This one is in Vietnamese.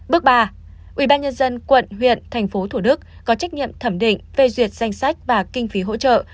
bước ba ubnd quận huyện thành phố thủ đức có trách nhiệm thẩm định phê duyệt danh sách và kinh phí hỗ trợ